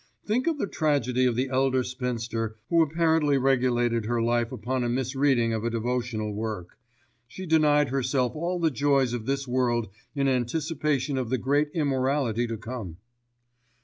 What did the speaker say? Think of the tragedy of the elderly spinster who apparently regulated her life upon a misreading of a devotional work. She denied herself all the joys of this world in anticipation of the great immorality to come."